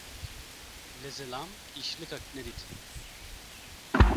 Li zilam îşlikek nedît.